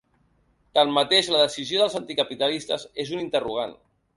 Tanmateix, la decisió dels anticapitalistes és un interrogant.